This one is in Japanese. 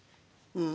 うん。